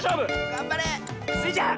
がんばれ！スイちゃん！